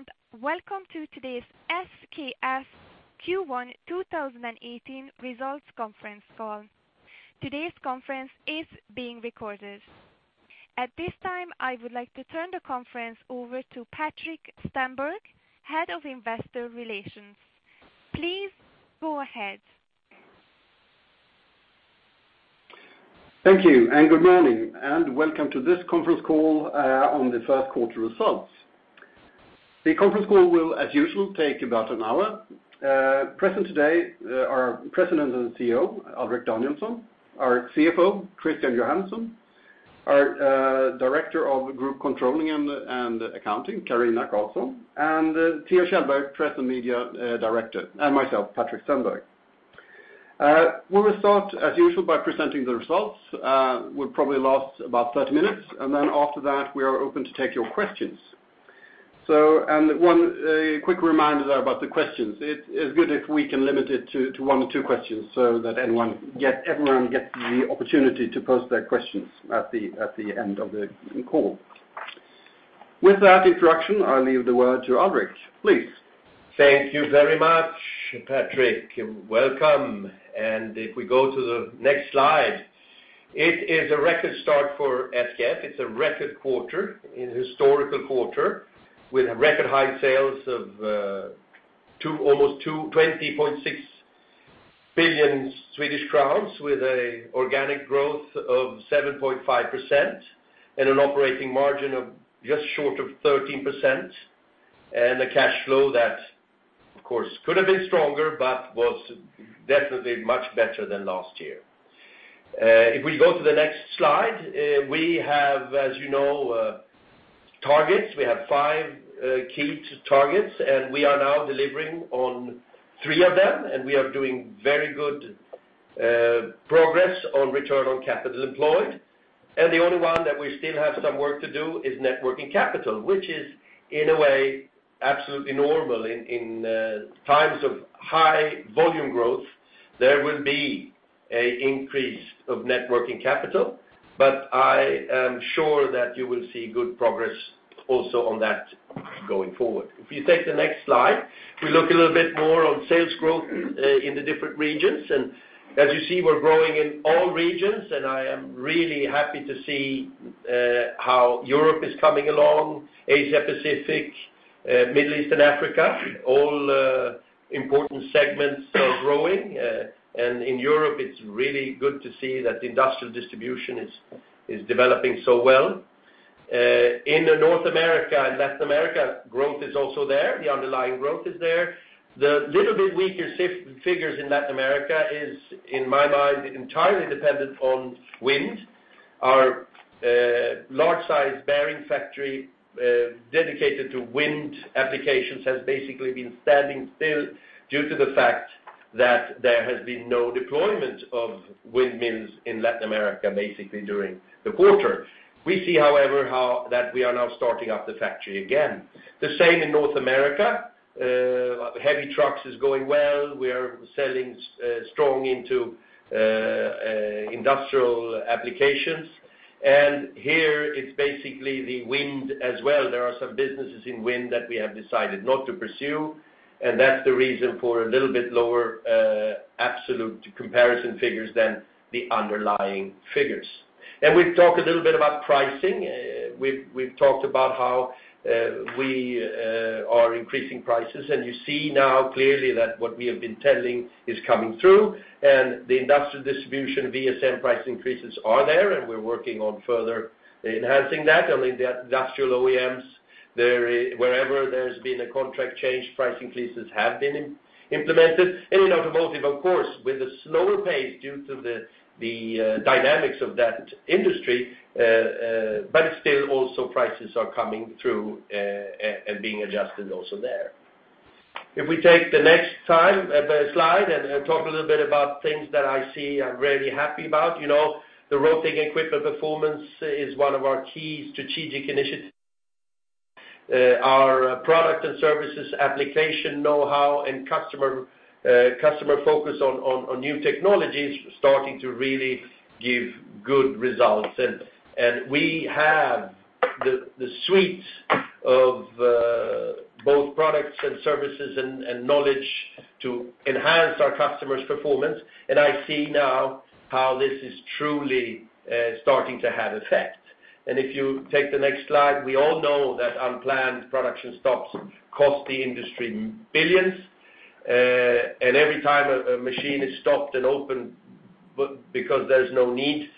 Good day. Welcome to today's SKF Q1 2018 results conference call. Today's conference is being recorded. At this time, I would like to turn the conference over to Patrik Stenberg, Head of Investor Relations. Please go ahead. Thank you. Good morning. Welcome to this conference call on the first quarter results. The conference call will, as usual, take about an hour. Present today are President and CEO, Alrik Danielson, our CFO, Christian Johansson, our Director of Group Controlling and Accounting, Carina Karlsson, and Theo Kjellberg, Press and Media Director, and myself, Patrik Stenberg. We will start, as usual, by presenting the results. We'll probably last about 30 minutes. After that, we are open to take your questions. One quick reminder about the questions. It is good if we can limit it to one or two questions so that everyone gets the opportunity to pose their questions at the end of the call. With that introduction, I'll leave the word to Alrik. Please. Thank you very much, Patrik. Welcome. If we go to the next slide, it is a record start for SKF. It's a record quarter, a historical quarter, with record high sales of almost 20.6 billion Swedish crowns, with an organic growth of 7.5%, and an operating margin of just short of 13%, and a cash flow that, of course, could have been stronger, but was definitely much better than last year. If we go to the next slide, we have, as you know, targets. We have five key targets, and we are now delivering on three of them, and we are doing very good progress on return on capital employed. The only one that we still have some work to do is net working capital, which is in a way absolutely normal in times of high volume growth. There will be an increase of net working capital, but I am sure that you will see good progress also on that going forward. If you take the next slide, we look a little bit more on sales growth in the different regions, and as you see, we're growing in all regions, and I am really happy to see how Europe is coming along. Asia-Pacific, Middle East, and Africa, all important segments are growing. In Europe, it's really good to see that industrial distribution is developing so well. In North America and Latin America, growth is also there. The underlying growth is there. The little bit weaker figures in Latin America is, in my mind, entirely dependent on wind. Our large size bearing factory dedicated to wind applications has basically been standing still due to the fact that there has been no deployment of windmills in Latin America, basically during the quarter. We see, however, that we are now starting up the factory again. The same in North America. Heavy trucks is going well. We are selling strong into industrial applications, and here it's basically the wind as well. There are some businesses in wind that we have decided not to pursue, and that's the reason for a little bit lower absolute comparison figures than the underlying figures. We've talked a little bit about pricing. We've talked about how we are increasing prices, and you see now clearly that what we have been telling is coming through, and the industrial distribution VSM price increases are there, and we're working on further enhancing that. In the industrial OEMs, wherever there's been a contract change, price increases have been implemented. In automotive, of course, with a slower pace due to the dynamics of that industry, but still also prices are coming through and being adjusted also there. If we take the next slide and talk a little bit about things that I see I'm really happy about. The rotating equipment performance is one of our key strategic initiatives. Our product and services application know-how and customer focus on new technologies starting to really give good results, and we have the suite of both products and services and knowledge to enhance our customers' performance, and I see now how this is truly starting to have effect. If you take the next slide, we all know that unplanned production stops cost the industry billions. Every time a machine is stopped and opened because there's no need,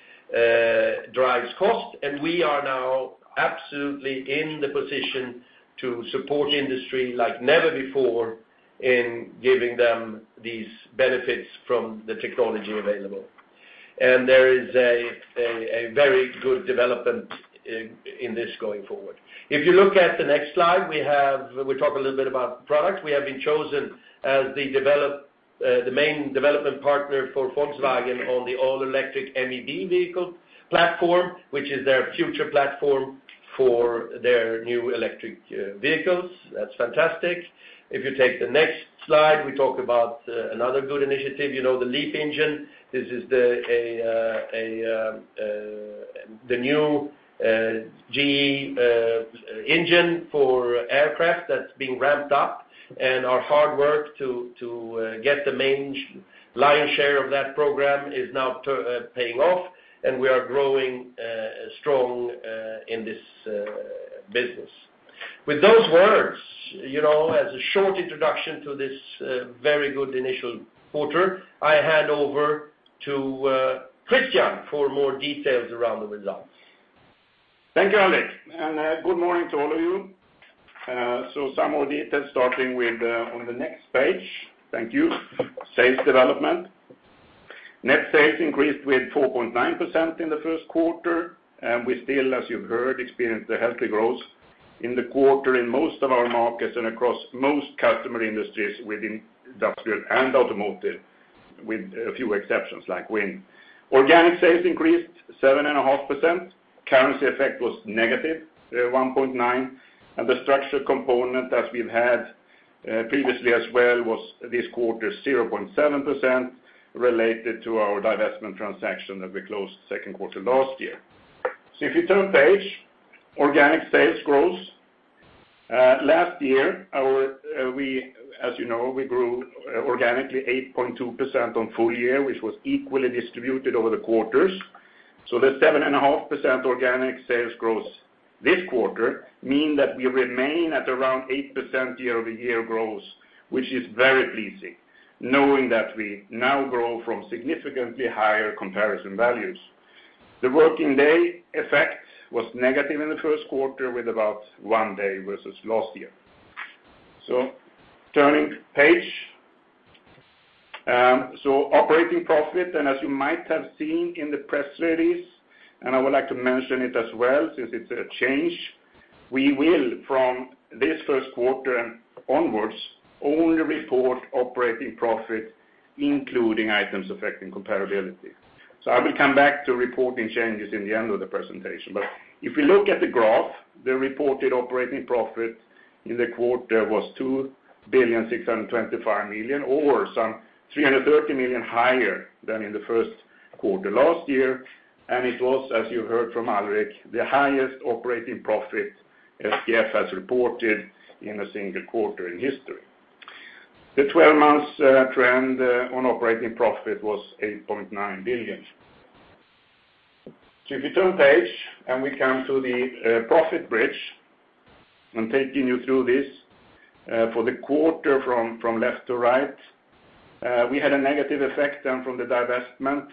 drives cost, and we are now absolutely in the position to support industry like never before in giving them these benefits from the technology available. There is a very good development in this going forward. If you look at the next slide, we talk a little bit about products. We have been chosen as the main development partner for Volkswagen on the all-electric MEB vehicle platform, which is their future platform for their new electric vehicles. That's fantastic. If you take the next slide, we talk about another good initiative, the LEAP engine. This is the new GE engine for aircraft that's being ramped up, and our hard work to get the main lion's share of that program is now paying off, and we are growing strong in this business. With those words, as a short introduction to this very good initial quarter, I hand over to Christian for more details around the results. Thank you, Alrik, and good morning to all of you. Some more details starting with on the next page. Thank you. Sales development. Net sales increased with 4.9% in the first quarter, and we still, as you've heard, experienced a healthy growth in the quarter in most of our markets and across most customer industries within industrial and automotive, with a few exceptions like wind. Organic sales increased 7.5%. Currency effect was negative 1.9%, and the structure component, as we've had previously as well, was this quarter 0.7%, related to our divestment transaction that we closed second quarter last year. If you turn page, organic sales growth. Last year, as you know, we grew organically 8.2% on full year, which was equally distributed over the quarters. The 7.5% organic sales growth this quarter mean that we remain at around 8% year-over-year growth, which is very pleasing, knowing that we now grow from significantly higher comparison values. The working day effect was negative in the first quarter with about one day versus last year. Turning page. Operating profit, and as you might have seen in the press release, and I would like to mention it as well, since it's a change, we will, from this first quarter onwards, only report operating profit, including items affecting comparability. I will come back to reporting changes in the end of the presentation. If we look at the graph, the reported operating profit in the quarter was 2.625 billion, or some 330 million higher than in the first quarter last year, and it was, as you heard from Alrik, the highest operating profit SKF has reported in a single quarter in history. The 12 months trend on operating profit was 8.9 billion. If you turn page, and we come to the profit bridge, I'm taking you through this, for the quarter from left to right, we had a negative effect then from the divestment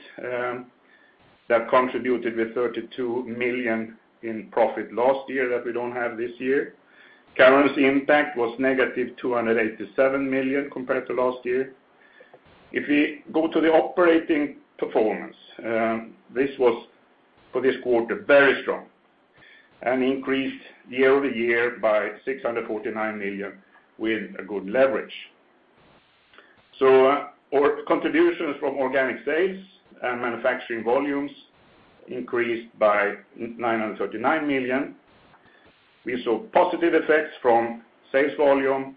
that contributed with 32 million in profit last year that we don't have this year. Currency impact was negative 287 million compared to last year. If we go to the operating performance, this was for this quarter, very strong, and increased year-over-year by 649 million with a good leverage. Our contributions from organic sales and manufacturing volumes increased by 939 million. We saw positive effects from sales volume,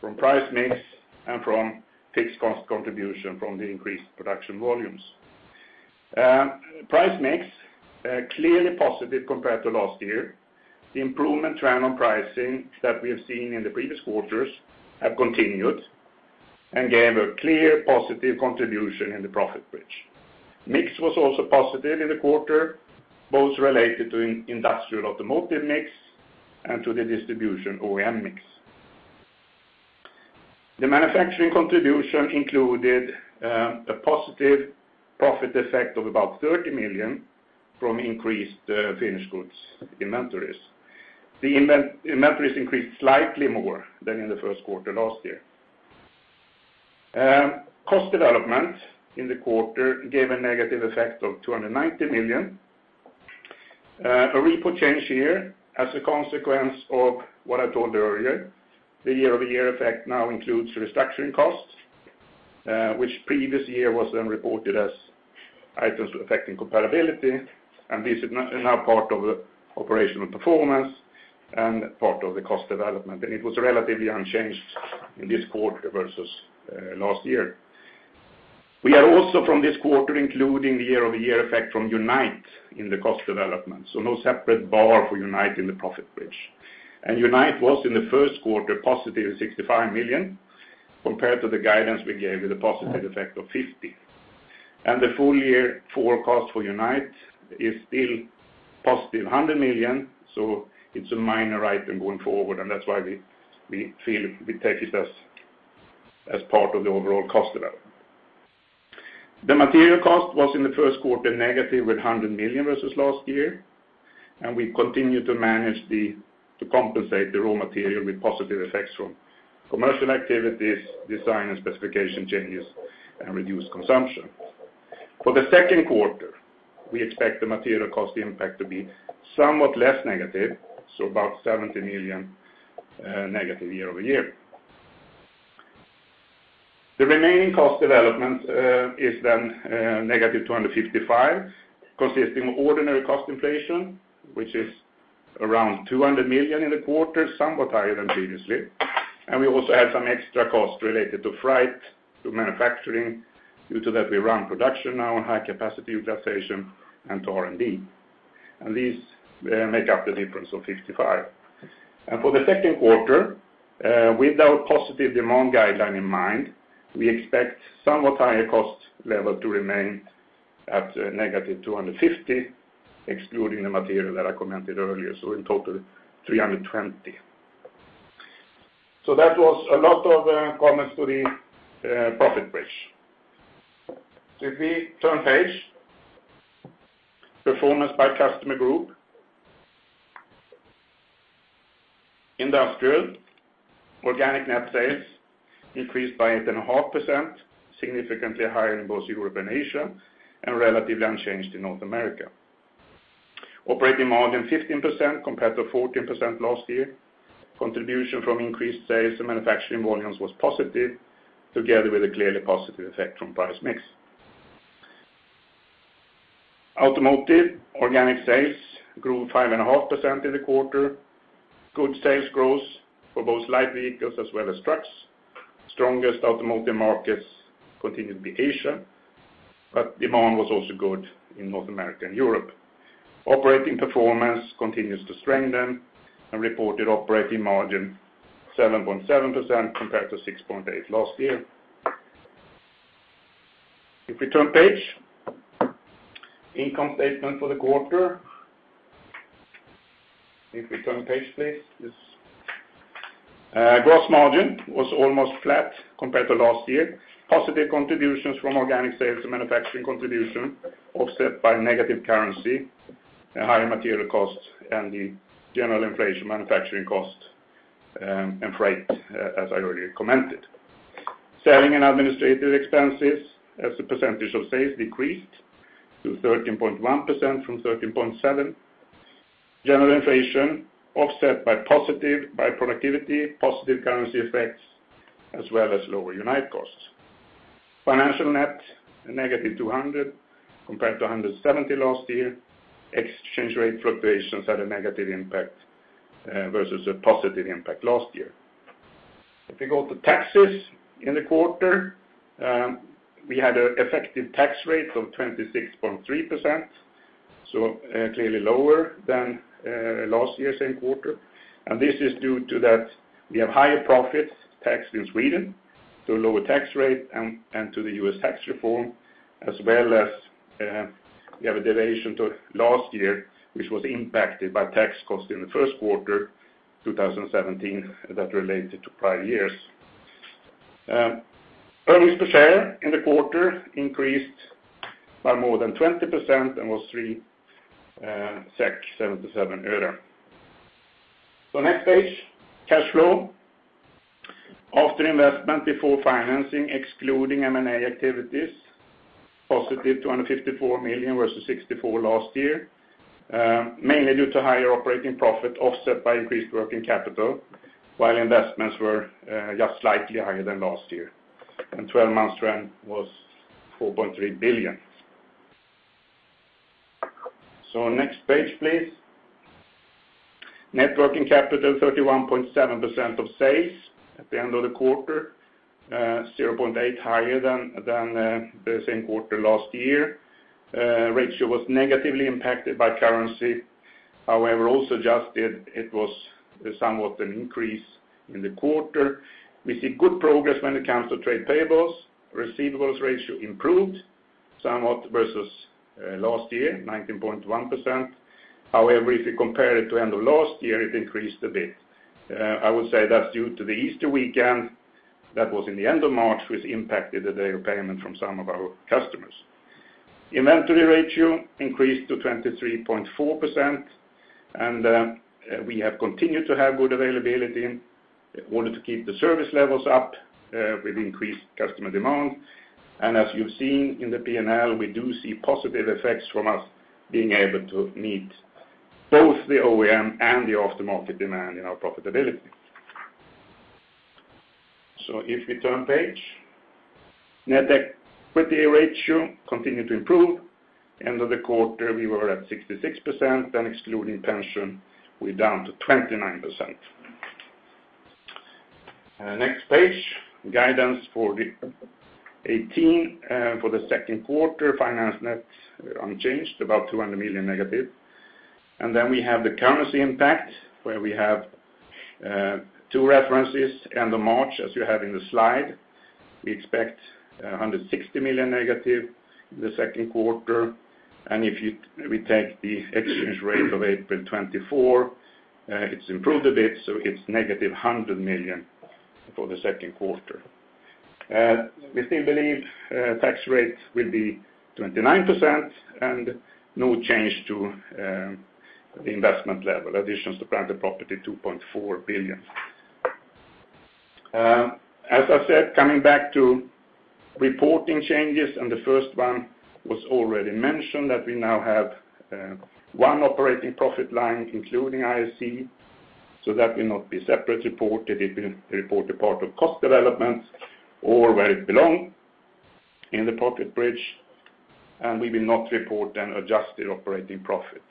from price mix, and from fixed cost contribution from the increased production volumes. Price mix, clearly positive compared to last year. The improvement trend on pricing that we have seen in the previous quarters have continued and gave a clear positive contribution in the profit bridge. Mix was also positive in the quarter, both related to industrial automotive mix and to the distribution OEM mix. The manufacturing contribution included a positive profit effect of about 30 million from increased finished goods inventories. The inventories increased slightly more than in the first quarter last year. Cost development in the quarter gave a negative effect of 290 million. A repo change here as a consequence of what I told you earlier. Year-over-year effect now includes restructuring costs, which previous year was reported as items affecting comparability, and this is now part of the operational performance and part of the cost development. It was relatively unchanged in this quarter versus last year. We are also from this quarter including the year-over-year effect from Unite in the cost development. No separate bar for Unite in the profit bridge. Unite was in the first quarter positive 65 million compared to the guidance we gave with a positive effect of 50 million. The full year forecast for Unite is still positive 100 million, so it's a minor item going forward, and that's why we take it as part of the overall cost development. The material cost was in the first quarter negative 100 million versus last year, and we continue to manage to compensate the raw material with positive effects from commercial activities, design and specification changes, and reduced consumption. For the second quarter, we expect the material cost impact to be somewhat less negative, so about 70 million negative year-over-year. The remaining cost development is negative 255 million, consisting of ordinary cost inflation, which is around 200 million in the quarter, somewhat higher than previously. We also had some extra cost related to freight, to manufacturing, due to that we run production now on high capacity utilization and to R&D. These make up the difference of 55 million. For the second quarter, with our positive demand guideline in mind, we expect somewhat higher cost level to remain at negative 250 million, excluding the material that I commented earlier. In total, 320 million. That was a lot of comments to the profit bridge. If we turn page, performance by customer group. Industrial, organic net sales increased by 8.5%, significantly higher in both Europe and Asia, and relatively unchanged in North America. Operating margin 15% compared to 14% last year. Contribution from increased sales and manufacturing volumes was positive, together with a clearly positive effect from price mix. Automotive organic sales grew 5.5% in the quarter. Good sales growth for both light vehicles as well as trucks. Strongest automotive markets continued to be Asia, but demand was also good in North America and Europe. Operating performance continues to strengthen, and reported operating margin 7.7% compared to 6.8% last year. If we turn page, income statement for the quarter. If we turn page, please, yes. Gross margin was almost flat compared to last year. Positive contributions from organic sales and manufacturing contribution offset by negative currency, higher material costs, and the general inflation manufacturing cost, and freight, as I already commented. Selling and administrative expenses as a percentage of sales decreased to 13.1% from 13.7%. General inflation offset by productivity, positive currency effects, as well as lower Unite costs. Financial net, a negative 200 million compared to 170 million last year. Exchange rate fluctuations had a negative impact versus a positive impact last year. If we go to taxes in the quarter, we had an effective tax rate of 26.3%, clearly lower than last year same quarter. This is due to that we have higher profits taxed in Sweden, so lower tax rate, and to the U.S. tax reform, as well as we have a deviation to last year, which was impacted by tax costs in the first quarter 2017 that related to prior years. Earnings per share in the quarter increased by more than 20% and was EUR 3.77. Next page, cash flow. After investment, before financing, excluding M&A activities, positive 254 million versus 64 last year, mainly due to higher operating profit offset by increased working capital, while investments were just slightly higher than last year. 12 months trend was EUR 4.3 billion. Next page, please. Net working capital 31.7% of sales at the end of the quarter, 0.8 higher than the same quarter last year. Ratio was negatively impacted by currency. However, also adjusted, it was somewhat an increase in the quarter. We see good progress when it comes to trade payables. Receivables ratio improved somewhat versus last year, 19.1%. However, if you compare it to end of last year, it increased a bit. I would say that's due to the Easter weekend that was in the end of March, which impacted the day of payment from some of our customers. Inventory ratio increased to 23.4%, and we have continued to have good availability, wanted to keep the service levels up with increased customer demand. As you've seen in the P&L, we do see positive effects from us being able to meet both the OEM and the aftermarket demand in our profitability. If we turn page, net equity ratio continued to improve. End of the quarter, we were at 66%, then excluding pension, we're down to 29%. Next page, guidance for 2018 for the second quarter. Finance net unchanged, about 200 million negative. Then we have the currency impact, where we have two references, end of March, as you have in the slide. We expect 160 million negative in the second quarter. If we take the exchange rate of April 24, it's improved a bit, so it's negative 100 million for the second quarter. We still believe tax rate will be 29% and no change to the investment level. Additions to plant and property, 2.4 billion. As I said, coming back to Reporting changes, and the first one was already mentioned, that we now have one operating profit line, including ISE. That will not be separate reported. It will report the part of cost development or where it belong in the profit bridge, and we will not report an adjusted operating profit.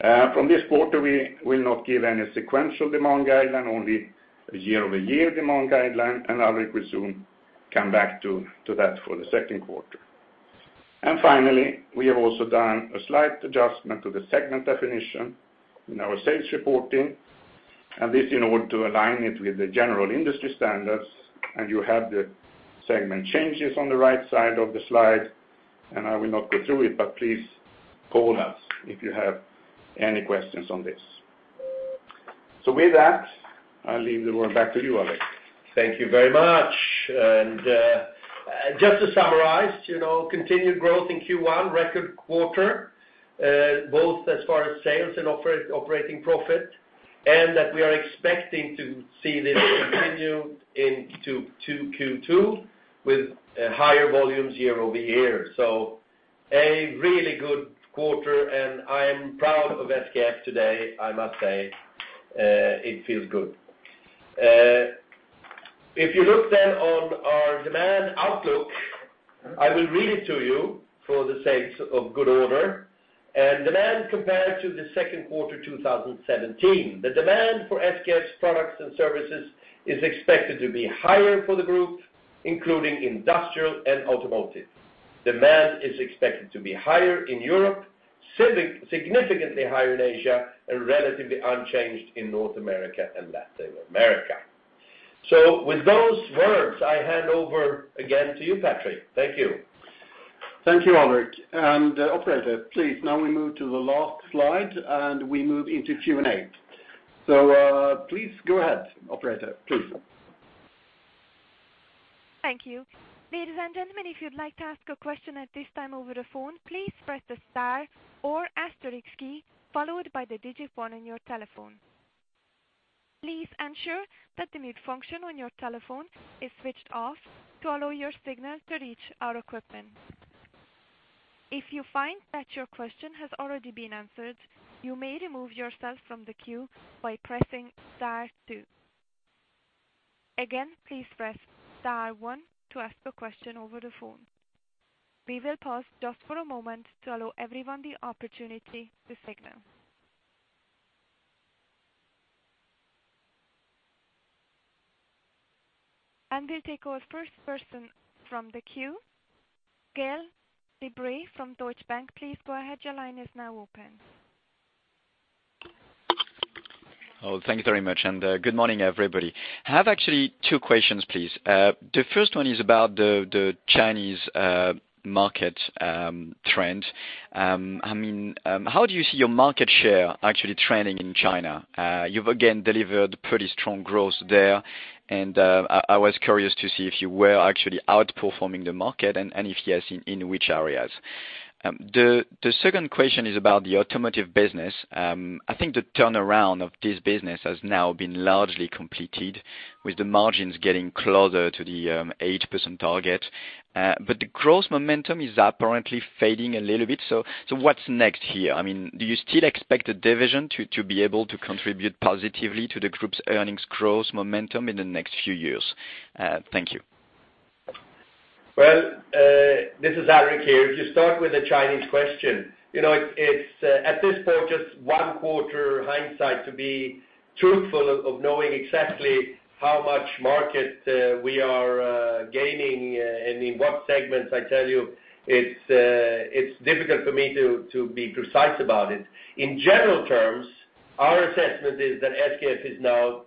From this quarter, we will not give any sequential demand guideline, only a year-over-year demand guideline, and I will soon come back to that for the second quarter. Finally, we have also done a slight adjustment to the segment definition in our sales reporting, and this in order to align it with the general industry standards. You have the segment changes on the right side of the slide, and I will not go through it, but please call us if you have any questions on this. With that, I leave the word back to you, Alrik. Just to summarize, continued growth in Q1, record quarter, both as far as sales and operating profit. That we are expecting to see this continue into Q2 with higher volumes year-over-year. A really good quarter, and I am proud of SKF today, I must say. It feels good. If you look on our demand outlook, I will read it to you for the sakes of good order. Demand compared to the second quarter 2017. The demand for SKF's products and services is expected to be higher for the group, including industrial and automotive. Demand is expected to be higher in Europe, significantly higher in Asia, and relatively unchanged in North America and Latin America. With those words, I hand over again to you, Patrik. Thank you. Thank you, Alrik. Operator, please, now we move to the last slide. We move into Q&A. Please go ahead, operator, please. Thank you. Ladies and gentlemen, if you'd like to ask a question at this time over the phone, please press the star or asterisk key, followed by the digit 1 on your telephone. Please ensure that the mute function on your telephone is switched off to allow your signal to reach our equipment. If you find that your question has already been answered, you may remove yourself from the queue by pressing star 2. Again, please press star 1 to ask a question over the phone. We will pause just for a moment to allow everyone the opportunity to signal. We'll take our first person from the queue. Gael de-Bray from Deutsche Bank, please go ahead. Your line is now open. Thank you very much, and good morning, everybody. I have actually two questions, please. The first one is about the Chinese market trend. How do you see your market share actually trending in China? You've again delivered pretty strong growth there, and I was curious to see if you were actually outperforming the market, and if yes, in which areas? The second question is about the automotive business. I think the turnaround of this business has now been largely completed, with the margins getting closer to the 8% target. The growth momentum is apparently fading a little bit. What's next here? Do you still expect the division to be able to contribute positively to the group's earnings growth momentum in the next few years? Thank you. Well, this is Alrik here. If you start with the Chinese question, it's at this point, just one quarter hindsight to be truthful of knowing exactly how much market we are gaining and in what segments. I tell you, it's difficult for me to be precise about it. In general terms, our assessment is that SKF is now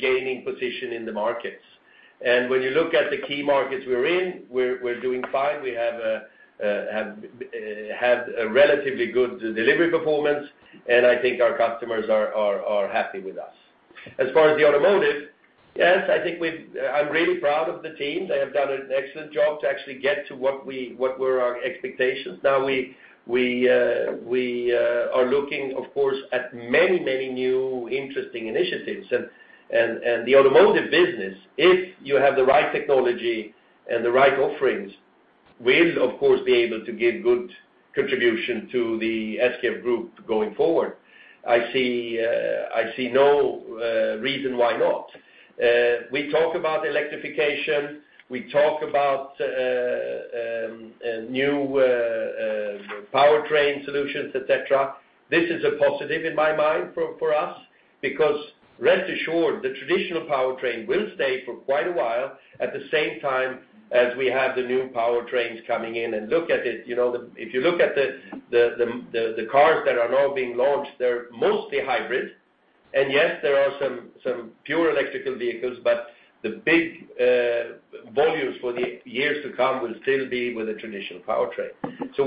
gaining position in the markets. When you look at the key markets we're in, we're doing fine. We have had a relatively good delivery performance, and I think our customers are happy with us. As far as the automotive, yes, I'm really proud of the teams. They have done an excellent job to actually get to what were our expectations. Now we are looking, of course, at many new interesting initiatives. The automotive business, if you have the right technology and the right offerings, will, of course, be able to give good contribution to the SKF group going forward. I see no reason why not. We talk about electrification. We talk about new powertrain solutions, et cetera. This is a positive in my mind for us, because rest assured, the traditional powertrain will stay for quite a while, at the same time as we have the new powertrains coming in. If you look at the cars that are now being launched, they're mostly hybrid. Yes, there are some pure electrical vehicles, but the big volumes for the years to come will still be with the traditional powertrain.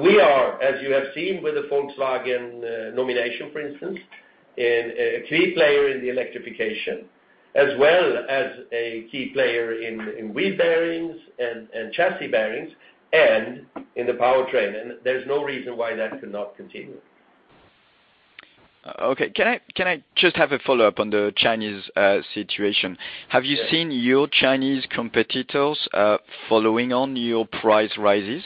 We are, as you have seen with the Volkswagen nomination, for instance, a key player in the electrification, as well as a key player in wheel bearings and chassis bearings and in the powertrain. There's no reason why that could not continue. Okay. Can I just have a follow-up on the Chinese situation? Yes. Have you seen your Chinese competitors following on your price rises?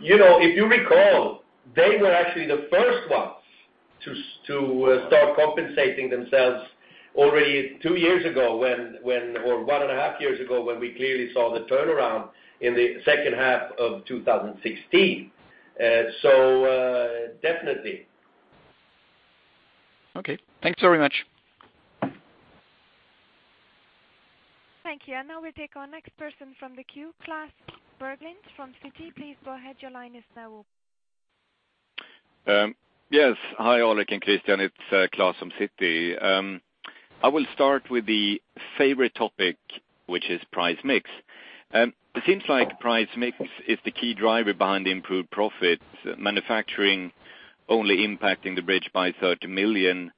If you recall, they were actually the first ones to start compensating themselves already two years ago or one and a half years ago, when we clearly saw the turnaround in the second half of 2016. Definitely. Okay. Thanks very much. Thank you. Now we'll take our next person from the queue, Klas Bergelind from Citi. Please go ahead, your line is now open. Yes. Hi, Alrik and Christian. It is Klas from Citi. I will start with the favorite topic, which is price mix. It seems like price mix is the key driver behind the improved profits, manufacturing only impacting the bridge by 30 million.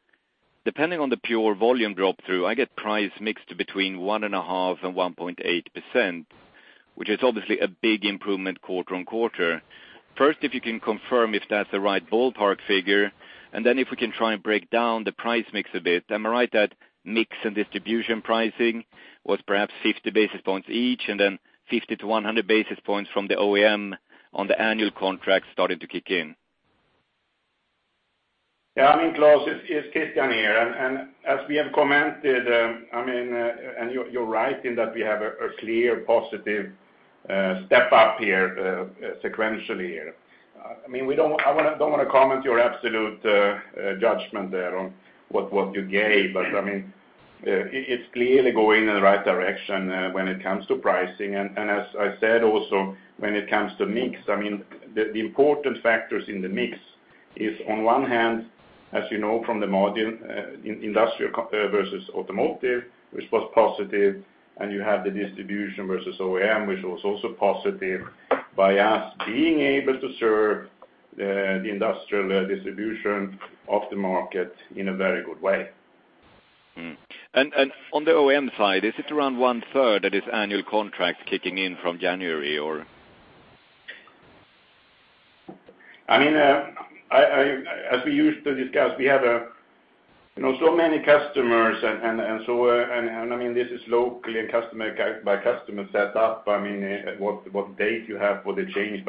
Depending on the pure volume drop through, I get price mixed between 1.5%-1.8%, which is obviously a big improvement quarter-on-quarter. First, if you can confirm if that is the right ballpark figure, and then if we can try and break down the price mix a bit. Am I right that mix and distribution pricing was perhaps 50 basis points each, and then 50-100 basis points from the OEM on the annual contract starting to kick in? Klas, it is Christian here. As we have commented, and you are right in that we have a clear positive step up here, sequentially here. I do not want to comment your absolute judgment there on what you gave, but it is clearly going in the right direction when it comes to pricing. As I said also, when it comes to mix, the important factors in the mix is on one hand, as you know, from the margin, industrial versus automotive, which was positive, and you have the distribution versus OEM, which was also positive. By us being able to serve the industrial distribution of the market in a very good way. On the OEM side, is it around one-third of this annual contract kicking in from January? As we used to discuss, we have so many customers, this is locally and customer by customer set up, what date you have for the change.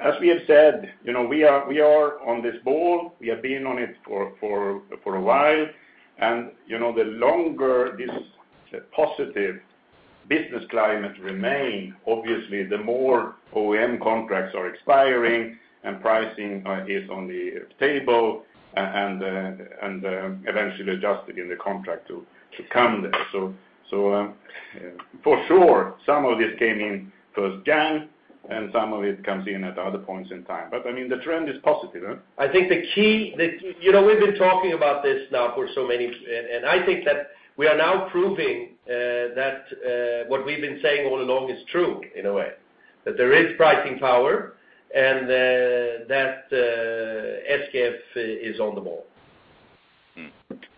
As we have said, we are on this ball. We have been on it for a while, the longer this positive business climate remain, obviously the more OEM contracts are expiring and pricing is on the table, eventually adjusted in the contract to come there. For sure, some of this came in first January, some of it comes in at other points in time. The trend is positive. We have been talking about this now, I think that we are now proving that what we have been saying all along is true, in a way. That there is pricing power, SKF is on the ball.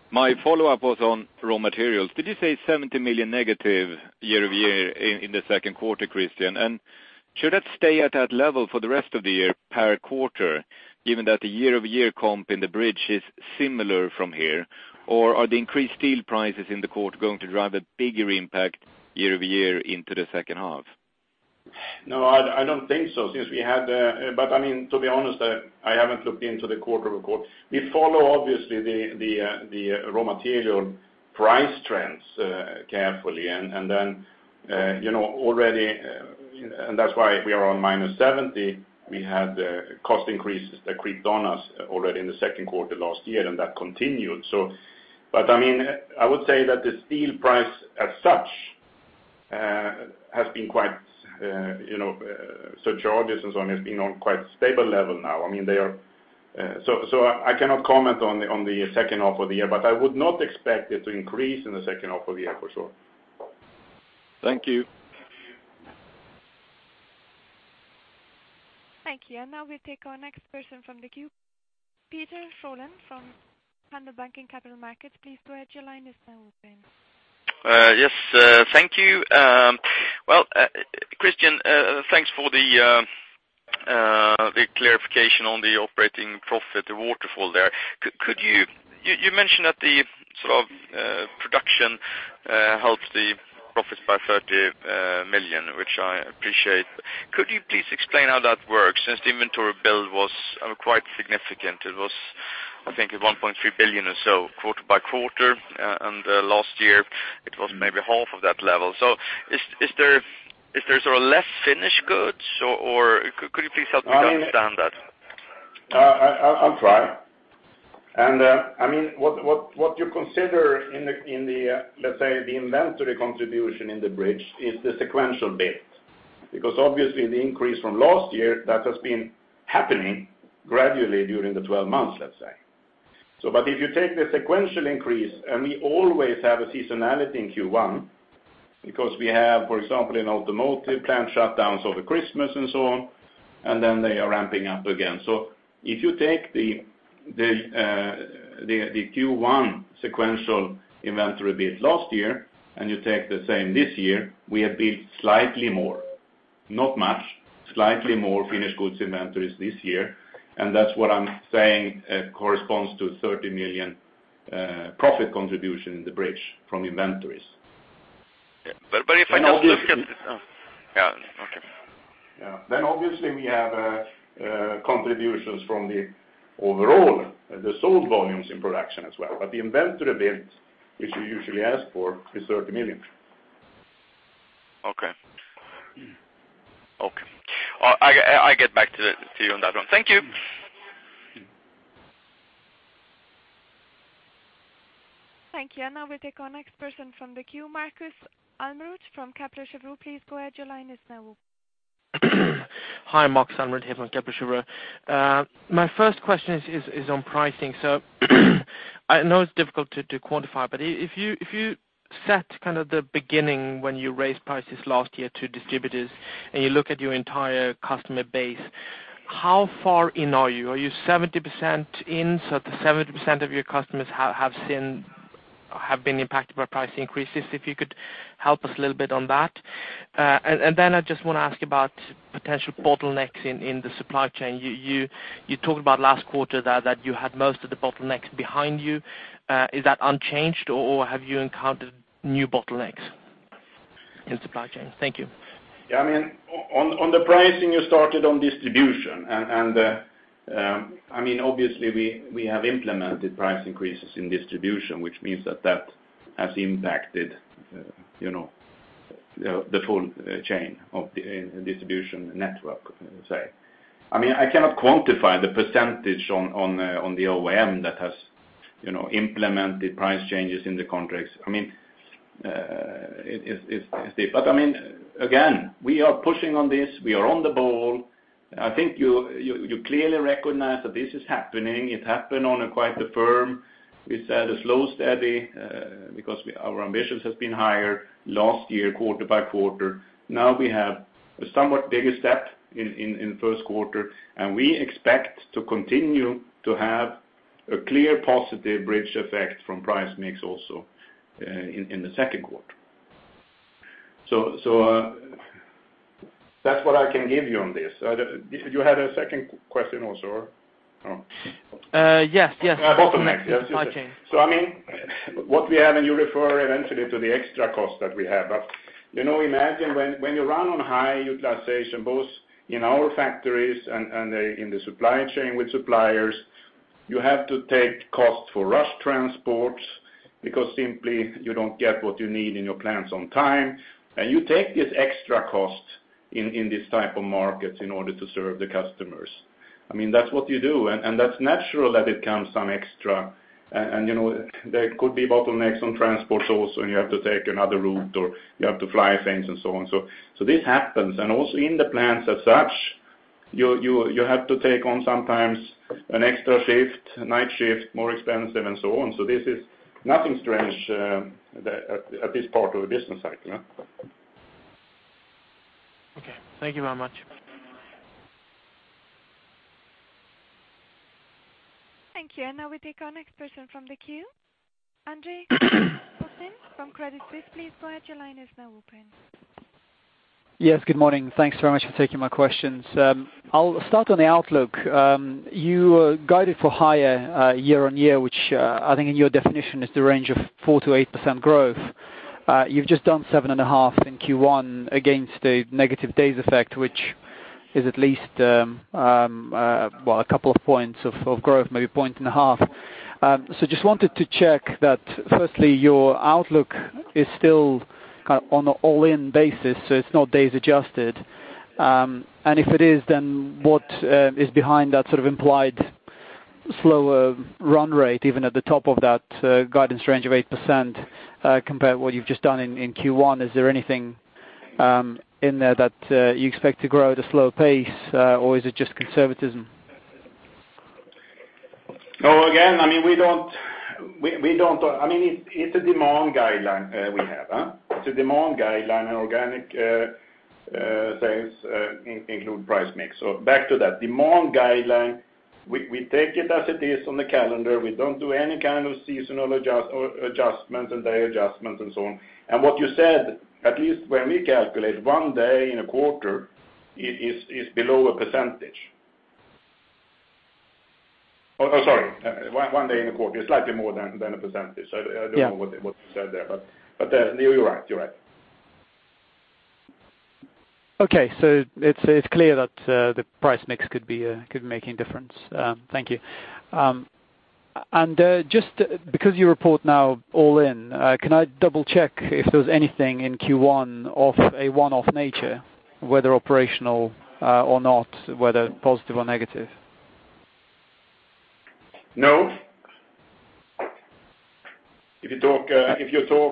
My follow-up was on raw materials. Did you say 70 million negative year-over-year in the second quarter, Christian? Should that stay at that level for the rest of the year per quarter, given that the year-over-year comp in the bridge is similar from here? Are the increased steel prices in the quarter going to drive a bigger impact year-over-year into the second half? No, I don't think so, since we had. To be honest, I haven't looked into the quarter-over-quarter. We follow, obviously, the raw material price trends carefully, and that's why we are on minus 70. We had cost increases that creeped on us already in the second quarter last year, that continued. I would say that the steel price as such has been quite, surcharges and so on, has been on quite stable level now. I cannot comment on the second half of the year, but I would not expect it to increase in the second half of the year, for sure. Thank you. Thank you. Now we take our next person from the queue. Peder Ramel from Handelsbanken Capital Markets. Please go ahead, your line is now open. Yes. Thank you. Well, Christian, thanks for the clarification on the operating profit, the waterfall there. You mentioned that the production helped the profits by 30 million, which I appreciate. Could you please explain how that works since the inventory build was quite significant? It was, I think, 1.3 billion or so quarter by quarter, and last year it was maybe half of that level. Is there less finished goods, or could you please help me understand that? I'll try. What you consider in, let's say, the inventory contribution in the bridge is the sequential bit. Obviously the increase from last year, that has been happening gradually during the 12 months, let's say. If you take the sequential increase, and we always have a seasonality in Q1 because we have, for example, in automotive plant shutdowns over Christmas and so on, and then they are ramping up again. If you take the Q1 sequential inventory build last year, and you take the same this year, we have built slightly more. Not much, slightly more finished goods inventories this year, and that's what I'm saying corresponds to 30 million profit contribution in the bridge from inventories. Yeah. If I can just- Obviously- Oh, yeah. Okay. Yeah. Obviously, we have contributions from the overall, the sold volumes in production as well. The inventory build, which we usually ask for, is 30 million. Okay. I get back to you on that one. Thank you. Thank you. We now take our next person from the queue, Marcus Almroth from Kepler Cheuvreux. Please go ahead, your line is now open. Hi, Marcus Almroth here from Kepler Cheuvreux. My first question is on pricing. I know it's difficult to quantify, if you set the beginning when you raised prices last year to distributors, and you look at your entire customer base, how far in are you? Are you 70% in, so 70% of your customers have been impacted by price increases? If you could help us a little bit on that. I just want to ask about potential bottlenecks in the supply chain. You talked about last quarter that you had most of the bottlenecks behind you. Is that unchanged, or have you encountered new bottlenecks in supply chain? Thank you. On the pricing, you started on distribution, obviously we have implemented price increases in distribution, which means that has impacted the full chain of the distribution network. I cannot quantify the percentage on the OEM that has implemented price changes in the contracts. Again, we are pushing on this. We are on the ball. I think you clearly recognize that this is happening. It happened on quite the firm. We said it's slow and steady because our ambitions have been higher last year, quarter by quarter. We have a somewhat bigger step in the first quarter, we expect to continue to have a clear positive bridge effect from price mix also in the second quarter. That's what I can give you on this. You had a second question also, or no? Yes. Bottlenecks. Yes. Supply chain. What we have, you refer eventually to the extra cost that we have. Imagine when you run on high utilization, both in our factories and in the supply chain with suppliers, you have to take costs for rush transports, because simply, you don't get what you need in your plants on time. You take this extra cost in these type of markets in order to serve the customers. That's what you do, and that's natural that it comes some extra, and there could be bottlenecks on transports also, and you have to take another route, or you have to fly things, and so on. This happens. Also in the plants as such, you have to take on sometimes an extra shift, a night shift, more expensive and so on. This is nothing strange at this part of the business cycle. Okay. Thank you very much. Thank you. Now we take our next person from the queue. Andre Kukhnin from Credit Suisse. Please go ahead, your line is now open. Yes, good morning. Thanks very much for taking my questions. I'll start on the outlook. You guided for higher year-on-year, which I think in your definition is the range of 4%-8% growth. You've just done 7.5% in Q1 against a negative days effect, which is at least, well, a couple of points of growth, maybe a point and a half. Just wanted to check that, firstly, your outlook is still on an all-in basis, so it's not days adjusted. If it is, then what is behind that sort of implied slower run rate, even at the top of that guidance range of 8%, compared to what you've just done in Q1? Is there anything in there that you expect to grow at a slower pace? Is it just conservatism? No, again, it's a demand guideline we have. It's a demand guideline, and organic sales include price mix. Back to that. Demand guideline, we take it as it is on the calendar. We don't do any kind of seasonal adjustments and day adjustments and so on. What you said, at least when we calculate one day in a quarter, it is below 1%. Or sorry, one day in a quarter is slightly more than 1%. Yeah. I don't know what to say there, but you're right. Okay. It's clear that the price mix could be making a difference. Thank you. Just because you report now all in, can I double-check if there's anything in Q1 of a one-off nature, whether operational or not, whether positive or negative? No. If you talk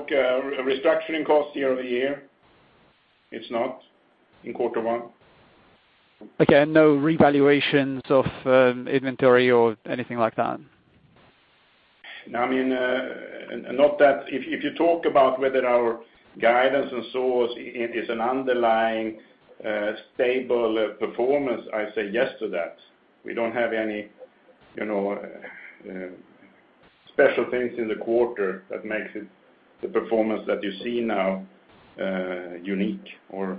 restructuring costs year-over-year, it's not in quarter one. Okay, no revaluations of inventory or anything like that? If you talk about whether our guidance and so is an underlying stable performance, I say yes to that. We don't have any special things in the quarter that makes the performance that you see now unique or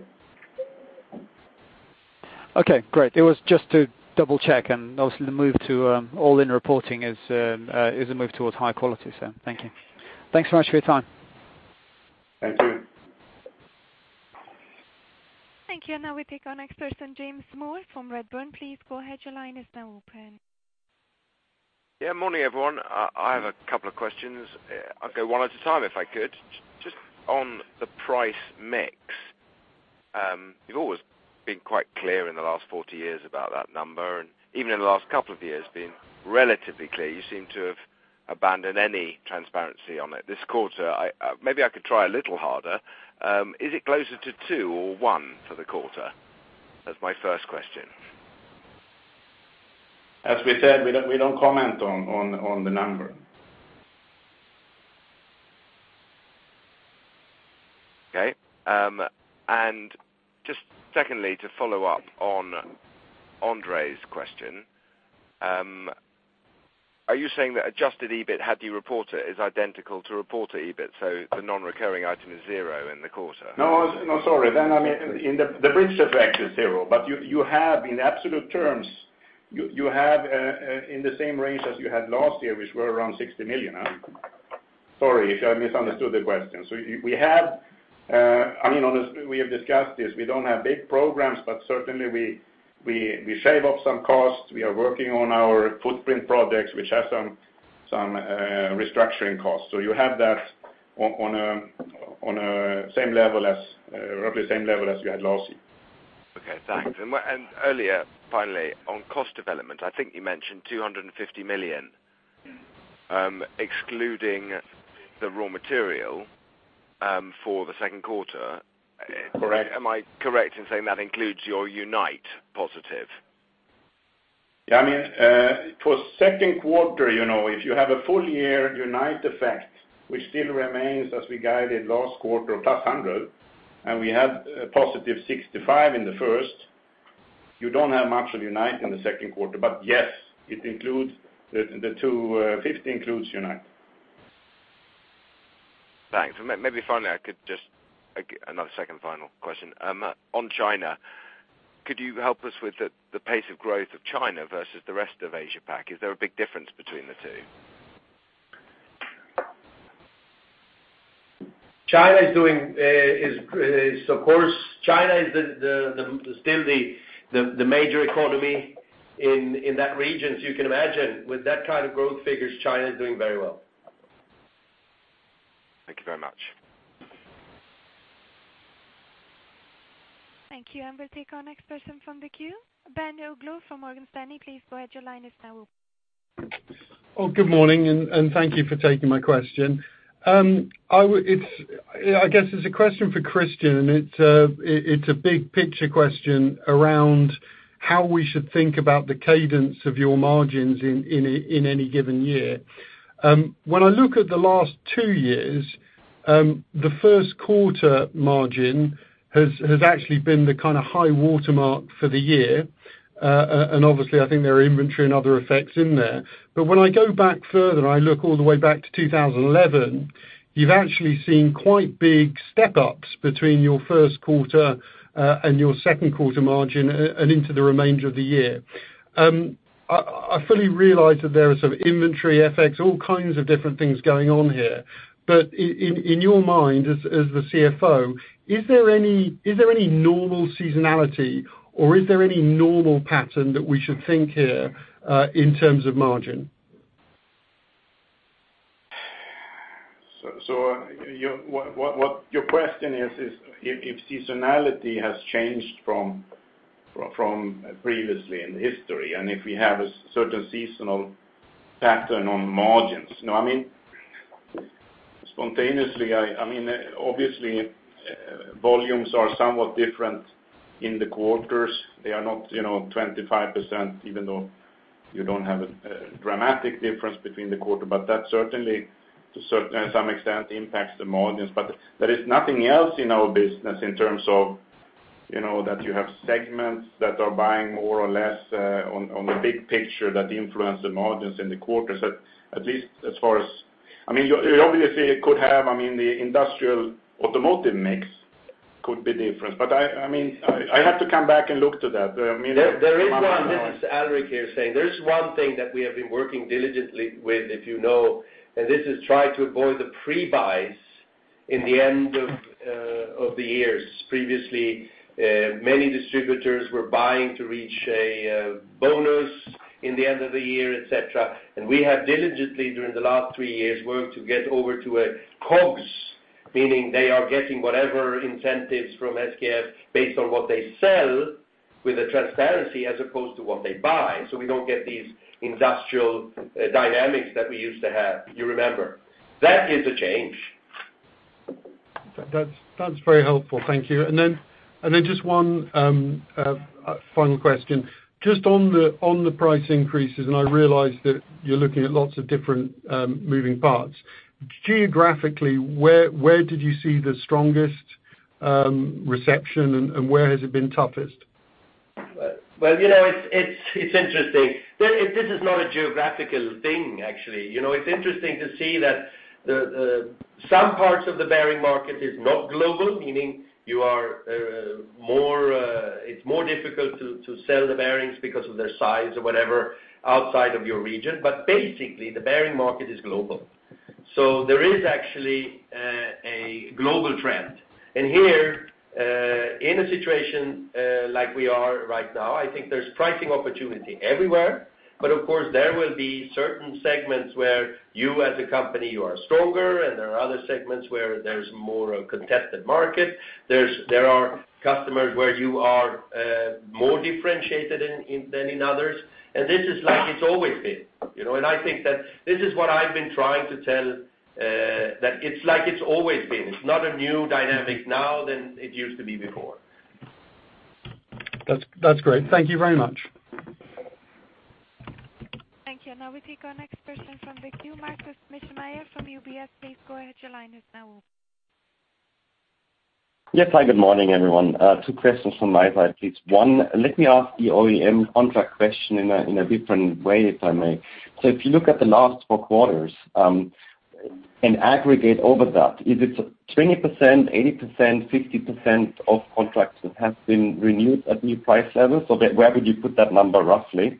Okay, great. It was just to double-check, and obviously the move to all-in reporting is a move towards high quality. Thank you. Thanks so much for your time. Thank you. Thank you. Now we take our next person, James Moore from Redburn. Please go ahead. Your line is now open. Yeah. Morning, everyone. I have a couple of questions. I'll go one at a time if I could. Just on the price mix. You've always been quite clear in the last 40 years about that number, and even in the last couple of years, been relatively clear. You seem to have abandoned any transparency on it. This quarter, maybe I could try a little harder. Is it closer to two or one for the quarter? That's my first question. As we said, we don't comment on the number. Okay. Just secondly, to follow up on Andre's question, are you saying that adjusted EBIT, had you reported, is identical to reported EBIT? The non-recurring item is zero in the quarter? No. Sorry. The bridge effect is zero, but you have in absolute terms, you have in the same range as you had last year, which were around 60 million. Sorry if I misunderstood the question. We have discussed this. Certainly we shave off some costs. We are working on our footprint projects, which have some restructuring costs. You have that on roughly the same level as we had last year. Okay, thanks. Earlier, finally, on cost development, I think you mentioned 250 million, excluding the raw material, for the second quarter. Correct. Am I correct in saying that includes your Unite positive? Yeah. For second quarter, if you have a full year Unite effect, which still remains as we guided last quarter of +100, and we had a +65 in the first, you don't have much of Unite in the second quarter. Yes, the EUR 250 includes Unite. Thanks. Maybe finally, I could Another second final question. On China, could you help us with the pace of growth of China versus the rest of Asia Pac? Is there a big difference between the two? China is still the major economy in that region, as you can imagine. With that kind of growth figures, China is doing very well. Thank you very much. Thank you. We'll take our next person from the queue, Ben Oglou from Morgan Stanley. Please go ahead. Your line is now open. Good morning, and thank you for taking my question. I guess it's a question for Christian. It's a big picture question around how we should think about the cadence of your margins in any given year. When I look at the last 2 years, the Q1 margin has actually been the high watermark for the year. Obviously, I think there are inventory and other effects in there. When I go back further, and I look all the way back to 2011, you've actually seen quite big step-ups between your Q1 and your Q2 margin and into the remainder of the year. I fully realize that there are some inventory effects, all kinds of different things going on here. In your mind as the CFO, is there any normal seasonality or is there any normal pattern that we should think here, in terms of margin? Your question is if seasonality has changed from previously in history, and if we have a certain seasonal pattern on margins. Spontaneously, obviously, volumes are somewhat different in the quarters. They are not 25%, even though you don't have a dramatic difference between the quarter, but that certainly to some extent impacts the margins. There is nothing else in our business in terms of that you have segments that are buying more or less on the big picture that influence the margins in the quarters, at least as far as. Obviously, the industrial automotive mix could be different, but I have to come back and look to that. There is one. This is Alrik here saying. There is one thing that we have been working diligently with, if you know, this is try to avoid the pre-buys in the end of the years. Previously, many distributors were buying to reach a bonus in the end of the year, et cetera. We have diligently, during the last 3 years, worked to get over to a COGS, meaning they are getting whatever incentives from SKF based on what they sell with the transparency as opposed to what they buy. We don't get these industrial dynamics that we used to have. You remember. That is a change. That's very helpful. Thank you. Then just one final question. Just on the price increases, and I realize that you're looking at lots of different moving parts. Geographically, where did you see the strongest reception, and where has it been toughest? Well, it's interesting. This is not a geographical thing, actually. It's interesting to see that some parts of the bearing market is not global, meaning it's more difficult to sell the bearings because of their size or whatever outside of your region. Basically, the bearing market is global. There is actually a global trend. Here, in a situation like we are right now, I think there's pricing opportunity everywhere. Of course, there will be certain segments where you as a company are stronger, and there are other segments where there's more of a contested market. There are customers where you are more differentiated than in others, and this is like it's always been. I think that this is what I've been trying to tell, that it's like it's always been. It's not a new dynamic now than it used to be before. That's great. Thank you very much. Thank you. We take our next person from the queue, Markus Mischel from UBS. Please go ahead, your line is now open. Yes. Hi, good morning, everyone. Two questions from my side, please. One, let me ask the OEM contract question in a different way, if I may. If you look at the last four quarters, and aggregate over that, is it 20%, 80%, 50% of contracts that have been renewed at new price levels? Where would you put that number, roughly?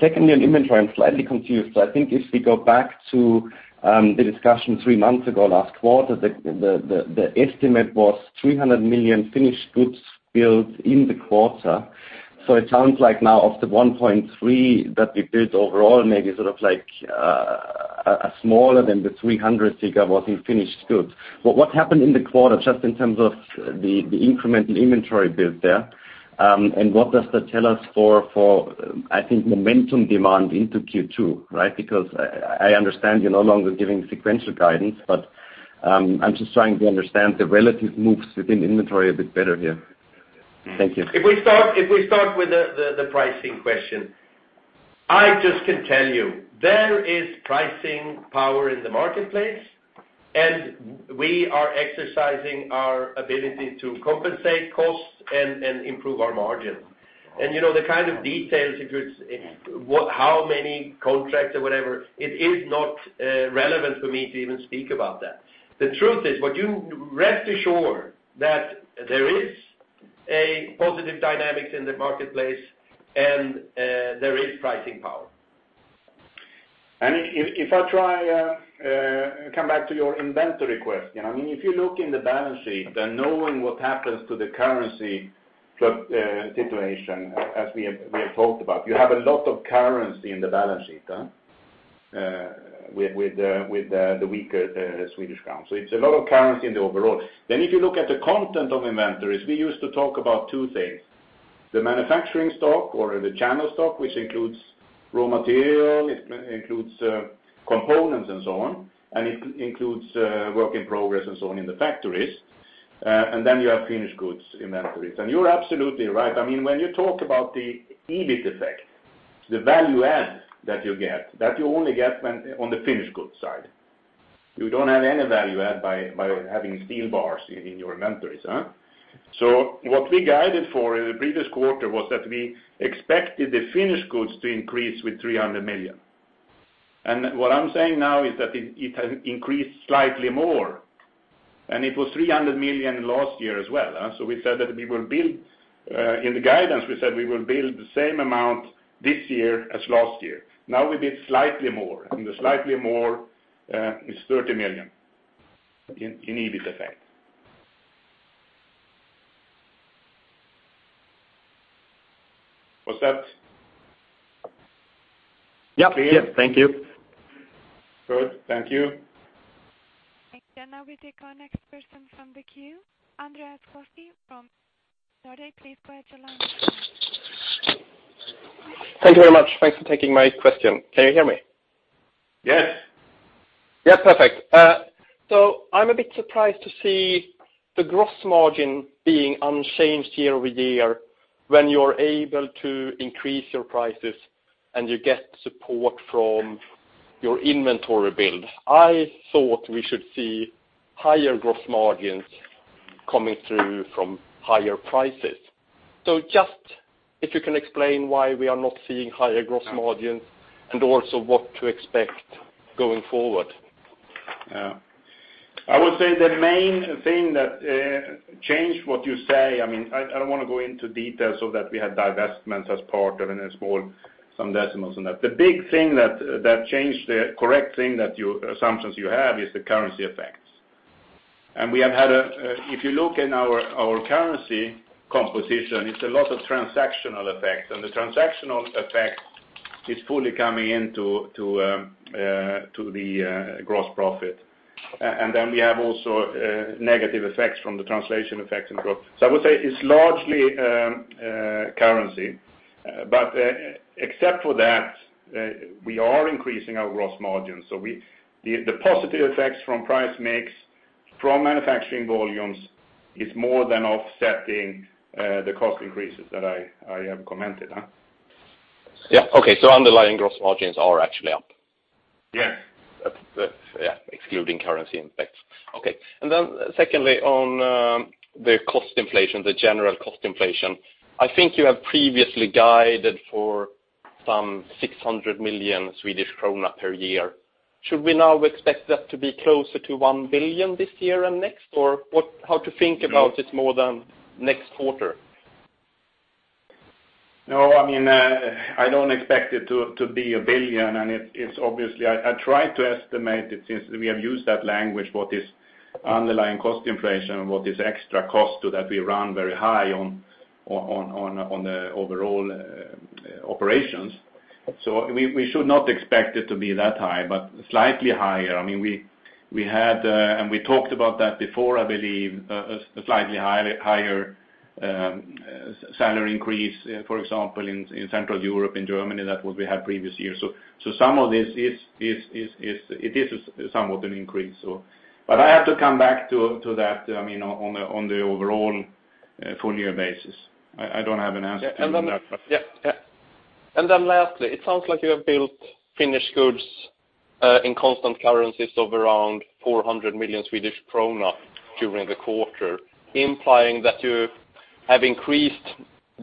Secondly, on inventory, I'm slightly confused. I think if we go back to the discussion three months ago, last quarter, the estimate was 300 million finished goods built in the quarter. It sounds like now of the 1.3 that we built overall, maybe sort of smaller than the 300 million, Sigurd, was in finished goods. What happened in the quarter, just in terms of the incremental inventory build there? What does that tell us for, I think, momentum demand into Q2, right? I understand you're no longer giving sequential guidance, but I'm just trying to understand the relative moves within inventory a bit better here. Thank you. If we start with the pricing question, I just can tell you there is pricing power in the marketplace, and we are exercising our ability to compensate costs and improve our margin. The kind of details, how many contracts or whatever, it is not relevant for me to even speak about that. The truth is, rest assured that there is a positive dynamic in the marketplace, and there is pricing power. If I try come back to your inventory question, if you look in the balance sheet, then knowing what happens to the currency situation, as we have talked about, you have a lot of currency in the balance sheet with the weaker Swedish crown. It's a lot of currency in the overall. If you look at the content of inventories, we used to talk about two things, the manufacturing stock or the channel stock, which includes raw material, it includes components and so on, and it includes work in progress and so on in the factories. You have finished goods inventories. You're absolutely right. When you talk about the EBIT effect, the value add that you get, that you only get on the finished goods side. You don't have any value add by having steel bars in your inventories. What we guided for in the previous quarter was that we expected the finished goods to increase with 300 million. What I am saying now is that it has increased slightly more, and it was 300 million last year as well. In the guidance, we said we will build the same amount this year as last year. Now we built slightly more, and the slightly more is 30 million in EBIT effect. Was that clear? Yep. Thank you. Good. Thank you. Thank you. We take our next person from the queue, Andreas Koski from Nordea. Please go ahead, your line is open. Thank you very much. Thanks for taking my question. Can you hear me? Yes. Yeah, perfect. I'm a bit surprised to see the gross margin being unchanged year-over-year when you're able to increase your prices and you get support from your inventory build. I thought we should see higher gross margins coming through from higher prices. Just if you can explain why we are not seeing higher gross margins and also what to expect going forward. I would say the main thing that changed what you say, I don't want to go into details of that we had divestments as part of, and then some decimals on that. The big thing that changed the correct thing that assumptions you have is the currency effects. If you look in our currency composition, it's a lot of transactional effects, the transactional effect is fully coming into the gross profit. Then we have also negative effects from the translation effects in the growth. I would say it's largely currency. Except for that, we are increasing our gross margin. The positive effects from price mix, from manufacturing volumes is more than offsetting the cost increases that I have commented. Yeah. Okay. Underlying gross margins are actually up? Yeah. Yeah. Excluding currency impact. Okay. Secondly, on the general cost inflation, I think you have previously guided for some 600 million Swedish krona per year. Should we now expect that to be closer to 1 billion this year and next, or how to think about it more than next quarter? No, I do not expect it to be 1 billion. I tried to estimate it since we have used that language, what is underlying cost inflation, what is extra cost that we run very high on the overall operations. We should not expect it to be that high, but slightly higher. We had, and we talked about that before, I believe, a slightly higher salary increase, for example, in Central Europe, in Germany. That what we had previous years. It is somewhat an increase. I have to come back to that on the overall full year basis. I do not have an answer to that. Yeah. Lastly, it sounds like you have built finished goods in constant currencies of around 400 million Swedish krona during the quarter, implying that you have increased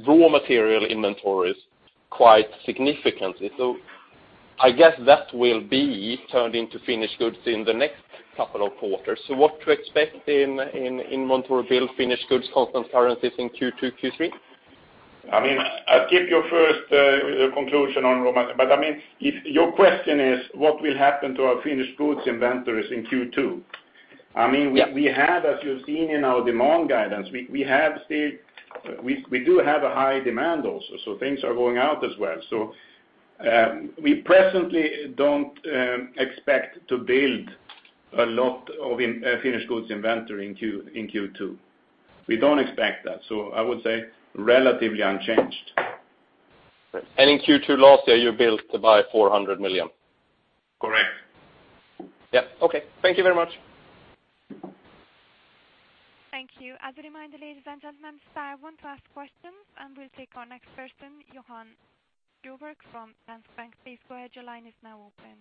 raw material inventories quite significantly. I guess that will be turned into finished goods in the next couple of quarters. What to expect in inventory build finished goods, constant currencies in Q2, Q3? I will keep your first conclusion on raw material. Your question is what will happen to our finished goods inventories in Q2? Yeah. As you've seen in our demand guidance, we do have a high demand also, things are going out as well. We presently don't expect to build a lot of finished goods inventory in Q2. We don't expect that. I would say relatively unchanged. In Q2 last year, you built by 400 million? Correct. Yeah. Okay. Thank you very much. Thank you. As a reminder, ladies and gentlemen, star one to ask questions, we'll take our next person, Johan Sjöberg from SEB Bank. Please go ahead, your line is now open.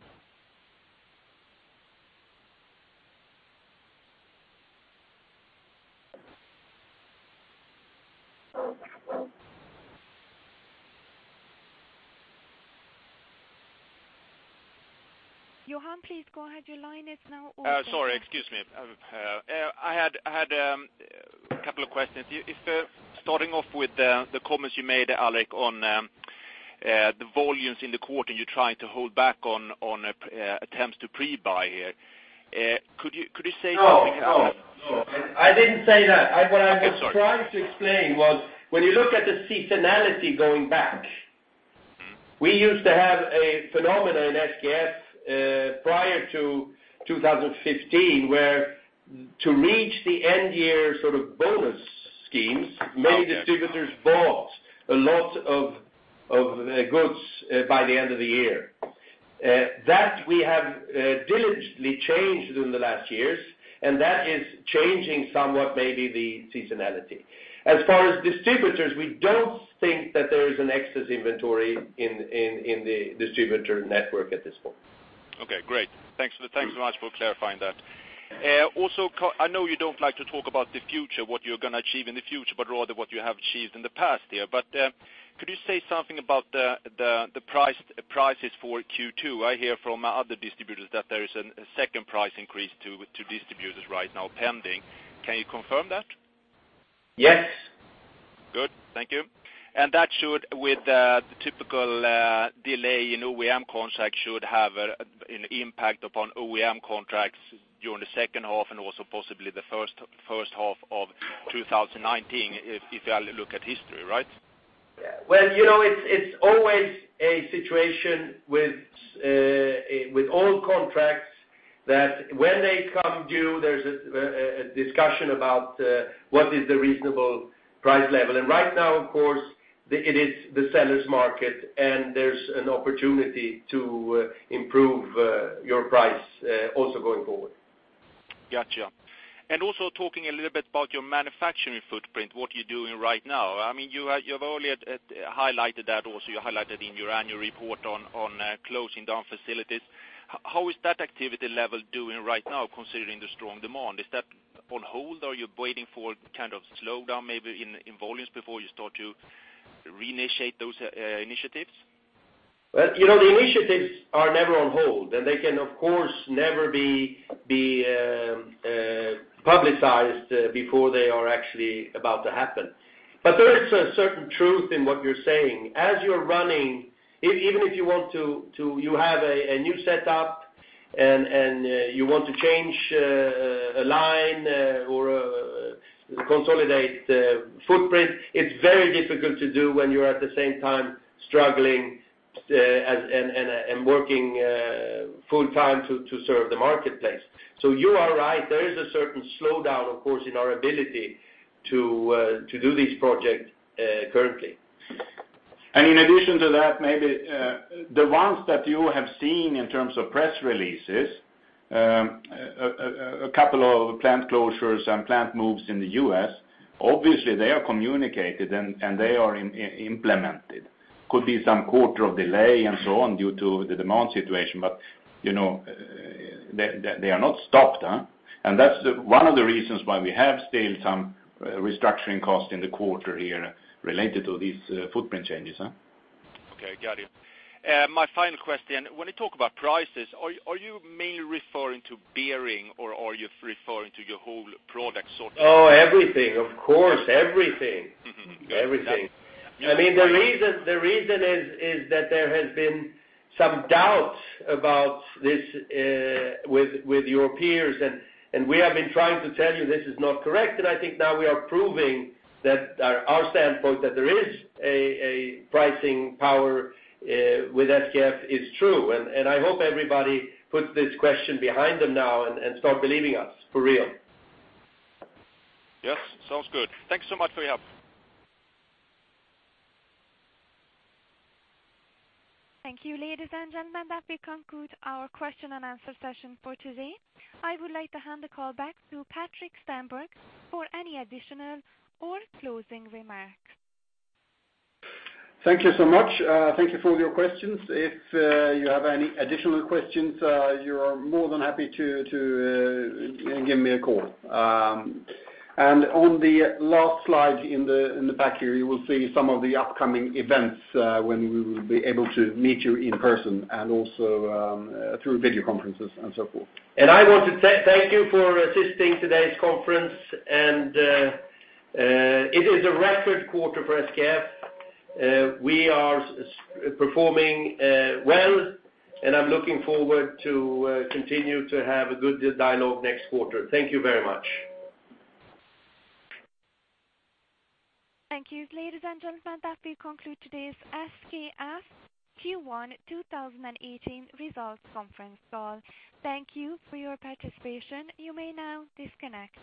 Johan, please go ahead. Your line is now open. Sorry. Excuse me. I had a couple of questions. Starting off with the comments you made, Alrik, on the volumes in the quarter, and you're trying to hold back on attempts to pre-buy here. Could you say something? No. I didn't say that. Oh, sorry. What I was trying to explain was when you look at the seasonality going back, we used to have a phenomenon in SKF prior to 2015, where to reach the end-year sort of bonus schemes, many distributors bought a lot of goods by the end of the year. That we have diligently changed in the last years, and that is changing somewhat maybe the seasonality. As far as distributors, we don't think that there is an excess inventory in the distributor network at this point. Okay, great. Thanks so much for clarifying that. I know you don't like to talk about the future, what you're going to achieve in the future, but rather what you have achieved in the past year. Could you say something about the prices for Q2? I hear from other distributors that there is a second price increase to distributors right now pending. Can you confirm that? Yes. Good. Thank you. That should, with the typical delay in OEM contracts, should have an impact upon OEM contracts during the second half and also possibly the first half of 2019 if you look at history, right? Well, it's always a situation with old contracts that when they come due, there's a discussion about what is the reasonable price level. Right now, of course, it is the seller's market, and there's an opportunity to improve your price also going forward. Got you. Also talking a little bit about your manufacturing footprint, what you're doing right now. You've earlier highlighted that also, you highlighted in your annual report on closing down facilities. How is that activity level doing right now considering the strong demand? Is that on hold? Are you waiting for kind of slowdown maybe in volumes before you start to reinitiate those initiatives? The initiatives are never on hold, and they can of course never be publicized before they are actually about to happen. There is a certain truth in what you're saying. Even if you have a new setup and you want to change a line or consolidate footprint, it's very difficult to do when you're at the same time struggling Working full-time to serve the marketplace. You are right, there is a certain slowdown, of course, in our ability to do this project currently. In addition to that, maybe the ones that you have seen in terms of press releases, a couple of plant closures and plant moves in the U.S., obviously they are communicated and they are implemented. Could be some quarter of delay and so on due to the demand situation. They are not stopped. That's one of the reasons why we have still some restructuring costs in the quarter here related to these footprint changes. Okay, got it. My final question. When you talk about prices, are you mainly referring to bearing or are you referring to your whole product sort? Oh, everything, of course. Everything. Everything. The reason is that there has been some doubts about this with your peers, we have been trying to tell you this is not correct. I think now we are proving that our standpoint that there is a pricing power with SKF is true. I hope everybody puts this question behind them now and start believing us for real. Yes, sounds good. Thanks so much for your help. Thank you, ladies and gentlemen. That will conclude our question and answer session for today. I would like to hand the call back to Patrik Stenberg for any additional or closing remarks. Thank you so much. Thank you for all your questions. If you have any additional questions, you are more than happy to give me a call. On the last slide in the back here, you will see some of the upcoming events when we will be able to meet you in person and also through video conferences and so forth. I want to thank you for assisting today's conference, and it is a record quarter for SKF. We are performing well, and I'm looking forward to continue to have a good dialogue next quarter. Thank you very much. Thank you, ladies and gentlemen. That will conclude today's SKF Q1 2018 Results Conference Call. Thank you for your participation. You may now disconnect.